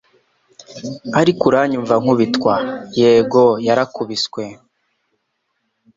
Ariko uranyumva nkubitwa yego yarakubiswe